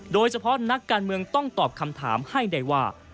โดยเฉพาะนักการเมืองต้องตอบคำถามให้ได้ว่า